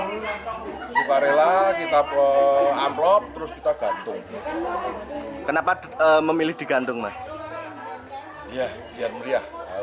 hai sukarela kita pro amplop terus kita gantung kenapa memilih digantung mas ya biar meriah